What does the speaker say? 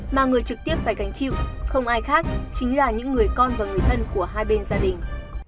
mà người trực tiếp phải gánh chịu không ai khác chính là những người con và người thân của hai bên gia đình